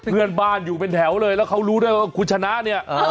เพื่อนบ้านอยู่เป็นแถวเลยแล้วเขารู้ด้วยว่าคุณชนะเนี่ย